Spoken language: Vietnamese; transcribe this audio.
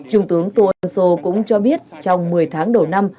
trung tướng tô ân sô cũng cho biết trong một mươi tháng đầu năm